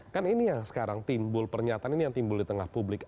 kan ini yang sekarang timbul pernyataan ini yang timbul di tengah publik